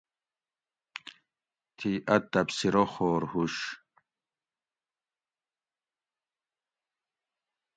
تھی ا تبصرہ خور ہُوش